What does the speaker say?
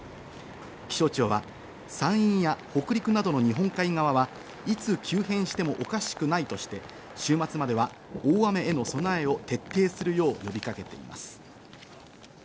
気象庁は山陰や北陸などの日本海側は、いつ急変してもおかしくないとして、週末までは大雨への備えを徹底するよう呼びかけています。